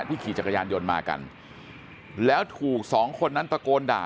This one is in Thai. ขี่จักรยานยนต์มากันแล้วถูกสองคนนั้นตะโกนด่า